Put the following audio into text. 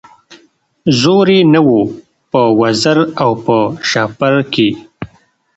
زور یې نه وو په وزر او په شهپر کي